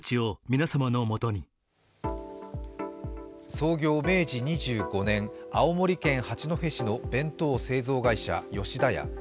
創業明治２５年、青森県八戸市の弁当製造会社、吉田屋。